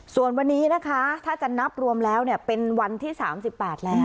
ส่วนวันนี้นะคะถ้าจะนับรวมแล้วเนี่ยเป็นวันที่สามสิบแปดแล้ว